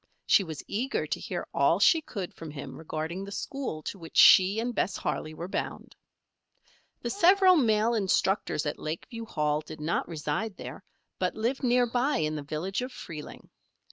She was eager to hear all she could from him regarding the school to which she and Bess Harley were bound. The several male instructors at Lakeview Hall did not reside there, but lived near by in the village of Freeling.